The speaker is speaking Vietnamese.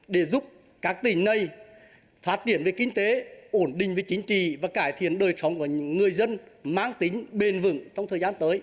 để giúp các tỉnh này phát triển về kinh tế ổn định về chính trị và cải thiện đời sống của những người dân mang tính bền vững trong thời gian tới